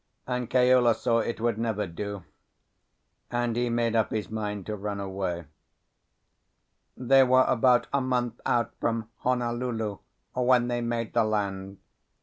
Keola saw it would never do; and he made up his mind to run away. They were about a month out from Honolulu when they made the land.